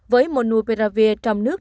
với monopiravir trong nước